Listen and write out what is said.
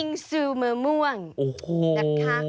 นี่คือบิงซูมะม่วง